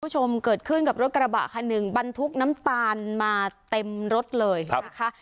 คุณผู้ชมเกิดขึ้นกับรถกระบะคันหนึ่งบรรทุกน้ำตาลมาเต็มรถเลยนะคะ